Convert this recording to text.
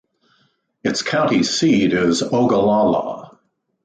Its county seat is Ogallala.